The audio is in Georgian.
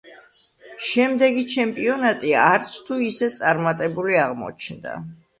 შემდეგი ჩემპიონატი არც თუ ისე წარმატებული აღმოჩნდა.